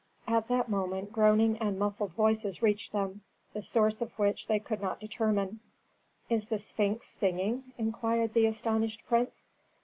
At that moment groaning and muffled voices reached them, the source of which they could not determine. "Is the Sphinx singing?" inquired the astonished prince.